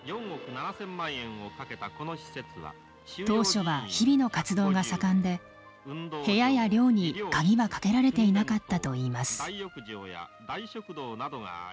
当初は日々の活動が盛んで部屋や寮に鍵はかけられていなかったといいます。